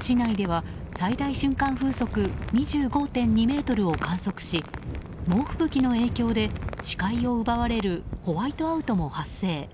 市内では最大瞬間風速２５．２メートルを観測し猛吹雪の影響で視界を奪われるホワイトアウトも発生。